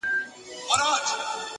لاس يې د ټولو کايناتو آزاد _ مړ دي سم _